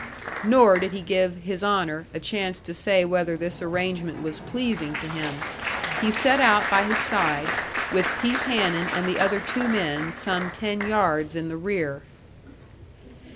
Nor did he give "His Honour" a chance to say whether this arrangement was pleasing to him; he set out by his side, with Pete Hanun and the other two men some ten yards in the rear.